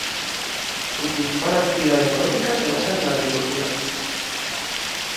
Su principal actividad económica se basa en la agricultura.